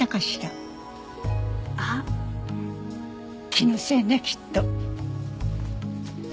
気のせいねきっと。